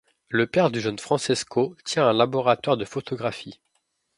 Le père du jeune Francesco tient un laboratoire de photographie.